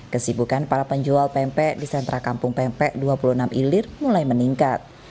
kesibukan para penjual pempek di sentra kampung pempek dua puluh enam ilir mulai meningkat